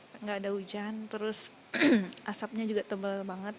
tidak ada hujan terus asapnya juga tebal banget